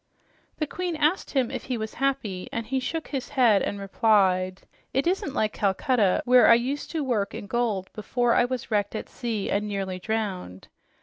The queen asked him if he was happy, and he shook his head and replied, "It isn't like Calcutta, where I used to work in gold before I was wrecked at sea and nearly drowned.